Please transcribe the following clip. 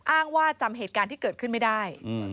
อ้างว่าจำเหตุการณ์ที่เกิดขึ้นไม่ได้